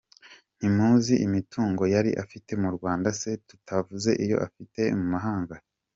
Ntimuzi imitungo yari afite mu Rwanda se tutavuze iyo afite I mahanga?